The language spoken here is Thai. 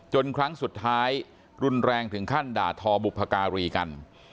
ครั้งสุดท้ายรุนแรงถึงขั้นด่าทอบุพการีกัน